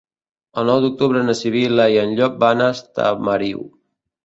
El nou d'octubre na Sibil·la i en Llop van a Estamariu.